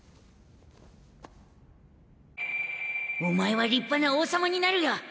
お前は立派な王様になるよ